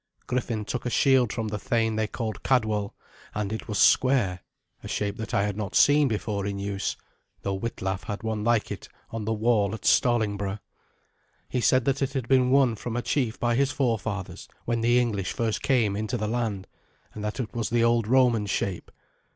Griffin took a shield from the thane they called Cadwal, and it was square a shape that I had not seen before in use, though Witlaf had one like it on the wall at Stallingborough. He said that it had been won from a chief by his forefathers when the English first came into the land, and that it was the old Roman shape.